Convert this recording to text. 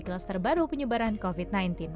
kelas terbaru penyebaran covid sembilan belas